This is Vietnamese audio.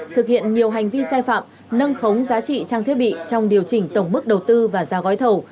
thực hiện nhiều hành vi sai phạm nâng khống giá trị trang thiết bị trong điều chỉnh tổng mức đầu tư và giá gói thầu